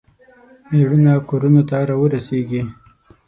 میړونه کورونو ته راورسیږي.